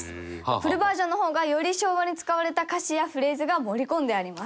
フルバージョンの方がより昭和に使われた歌詞やフレーズが盛り込んであります。